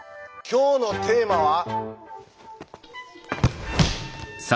今日のテーマは。